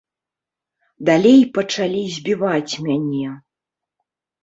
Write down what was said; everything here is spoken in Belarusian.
Далей пачалі збіваць мяне.